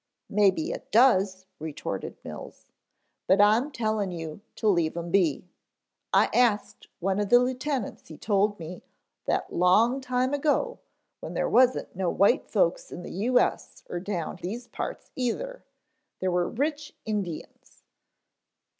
"Maybe it does," retorted Mills, "But I'm tellin' you to leave 'em be. I asked one of the lieuts en' he told me that a long time ago, when there wasn't no white folks in the U. S. er down in these parts either, there were rich Indians."